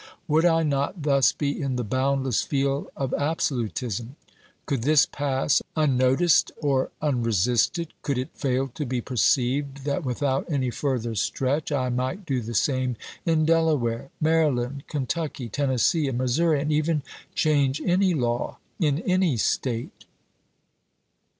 Would I not thus be in the boundless field of absolu tism ? Could this pass unnoticed or unresisted ? Could it fail to be perceived, that without any further stretch I ^.^ might do the same in Delaware, Maryland, Kentucky, chase, SCDt 2 1863 Tennessee, and Missouri, and even change any law in ks. any State?